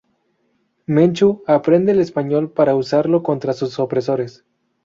Menchú aprende el español para usarlo contra sus opresores.